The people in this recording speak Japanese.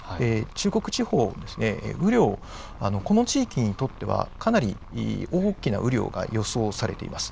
中国地方、雨量、この地域にとっては、かなり大きな雨量が予想されています。